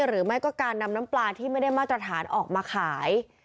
หรือไม่ก็การนำน้ำปลาที่ไม่ได้มาตรฐานออกมาขาย